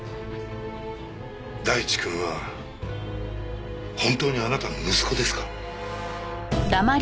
大地くんは本当にあなたの息子ですか？